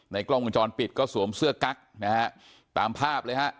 กล้องวงจรปิดก็สวมเสื้อกั๊กนะฮะตามภาพเลยฮะ